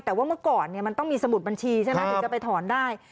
แต่ว่าเมื่อก่อนมันต้องมีสมุดบัญชีใช่ไหมถึงจะไปถอนได้